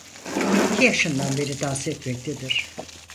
İki yaşından beri dans etmektedir.